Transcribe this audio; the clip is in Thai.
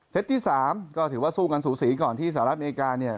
ที่๓ก็ถือว่าสู้กันสูสีก่อนที่สหรัฐอเมริกาเนี่ย